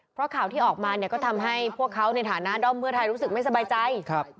เพราะข่าวที่ออกมาเนี่ยก็ทำให้พวกเขาในฐานะด้อมเพื่อไทยรู้สึกไม่สบายใจ